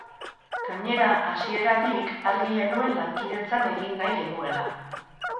Gainera, hasieratik argi genuen lankidetzan egin nahi genuela.